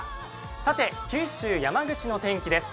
さて、九州・山口の天気です。